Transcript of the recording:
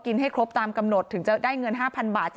ให้ครบตามกำหนดถึงจะได้เงิน๕๐๐บาท